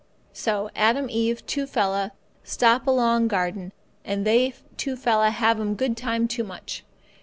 "So Adam Eve two fella stop along garden, and they two fella have 'm good time too much.